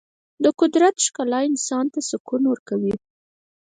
د قدرت ښکلا انسان ته سکون ورکوي.